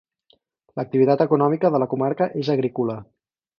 L'activitat econòmica de la comarca és agrícola.